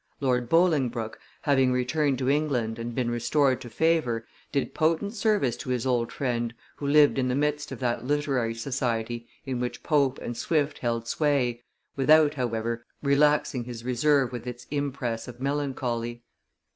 Lord Bolingbroke, having returned to England and been restored to favor, did potent service to his old friend, who lived in the midst of that literary society in which Pope and Swift held sway, without, however, relaxing his reserve with its impress of melancholy.